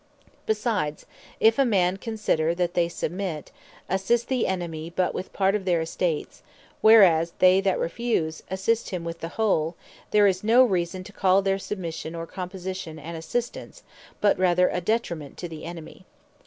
Besides, if a man consider that they who submit, assist the Enemy but with part of their estates, whereas they that refuse, assist him with the whole, there is no reason to call their Submission, or Composition an Assistance; but rather a Detriment to the Enemy.